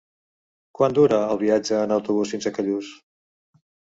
Quant dura el viatge en autobús fins a Callús?